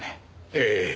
ええ。